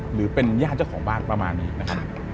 หรือเป็นญาติเจ้าของบ้านประมาณนี้นะครับ